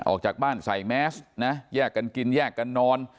ออกจากบ้านใส่แมสนะแยกกันกินแยกกันนอน